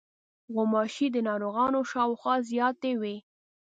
غوماشې د ناروغانو شاوخوا زیاتې وي.